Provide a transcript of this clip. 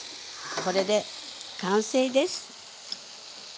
これで完成です。